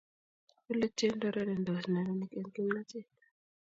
Bolei tiendo urerendos nenarik eng kimnatet